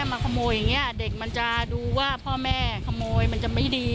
เราก็ไม่อยากให้ทำแบบนี้